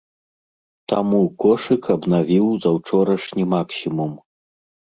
Таму кошык абнавіў заўчорашні максімум.